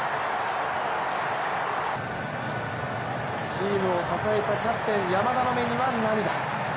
チームを支えたキャプテン・山田の目には涙。